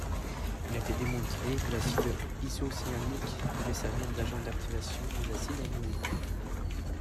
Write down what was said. Il a été démontré que l'acide isocyanique pouvait servir d'agent d'activation des acides aminés.